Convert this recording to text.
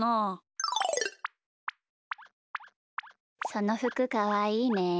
そのふくかわいいね。